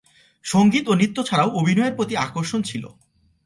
সংগীত ও নৃত্য ছাড়াও অভিনয়ের প্রতি আকর্ষণ ছিল।